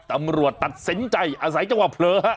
ตำรวจตัดสินใจอาศัยจังหวะเผลอฮะ